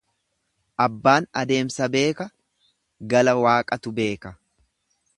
Abbaan adeemsa beeka gala Waaqatu beeka.